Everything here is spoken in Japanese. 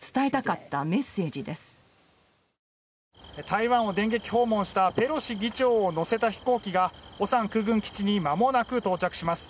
台湾を電撃訪問したペロシ下院議長を乗せた飛行機が烏山空軍基地にまもなく到着します。